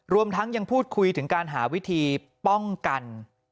รวมทั้งยังพูดคุยถึงการหาวิธีป้องกัน